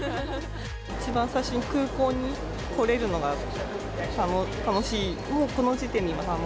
一番最初に空港に来れるのが、楽しい。